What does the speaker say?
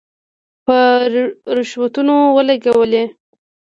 په رشوتونو ولګولې.